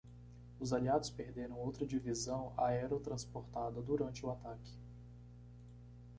Os aliados perderam outra divisão aerotransportada durante o ataque.